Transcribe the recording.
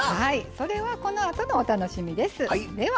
それは、このあとのお楽しみです。